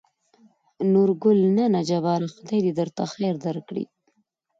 نورګل: نه نه جباره خداى د درته خېر درکړي.